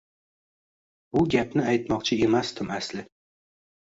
Bu gapni aytmoqchi emasdim asli